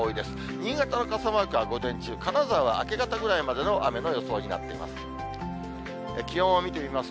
新潟の傘マークは午前中、金沢は明け方ぐらいまでの雨の予想になっています。